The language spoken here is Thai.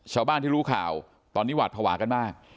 ชาวบ้านที่รู้ข่าวตอนนี้หวาดภาวะกันมาก